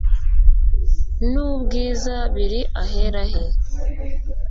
n ubwiza biri ahera he